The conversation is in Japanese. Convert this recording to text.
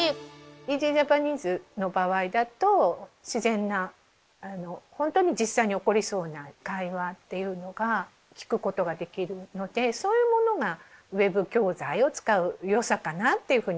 「ＥａｓｙＪａｐａｎｅｓｅ」の場合だと自然なほんとに実際に起こりそうな会話っていうのが聞くことができるのでそういうものがウェブ教材を使う良さかなっていうふうに思います。